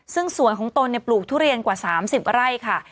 ซึ่งสวนของตนปลูกทุเรียนกว่า๓๐ไร่ค่ะ